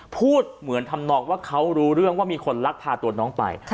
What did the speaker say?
พูดเหมือนทำนองว่าเขารู้เรื่องว่ามีคนลักพาตัวน้องไป